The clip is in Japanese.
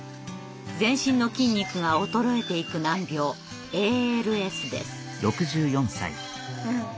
全身の筋肉が衰えていく難病ＡＬＳです。